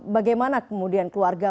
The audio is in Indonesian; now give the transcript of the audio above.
bagaimana kemudian keluarga